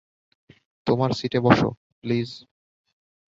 তোমার সিটে বসো, প্লিজ।